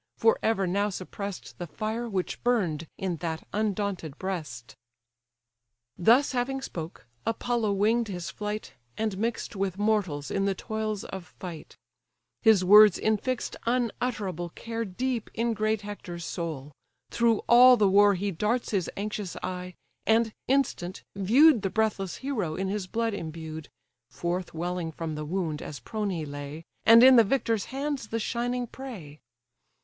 for ever now suppress'd The fire which burn'd in that undaunted breast!" Thus having spoke, Apollo wing'd his flight, And mix'd with mortals in the toils of fight: His words infix'd unutterable care Deep in great Hector's soul: through all the war He darts his anxious eye; and, instant, view'd The breathless hero in his blood imbued, (Forth welling from the wound, as prone he lay) And in the victor's hands the shining prey.